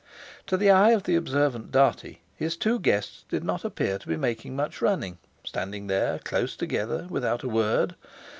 To the eye of the observant Dartie his two guests did not appear to be making much running, standing there close together, without a word.